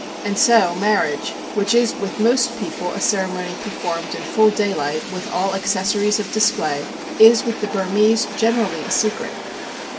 And so marriage, which is with most people a ceremony performed in full daylight with all accessories of display, is with the Burmese generally a secret.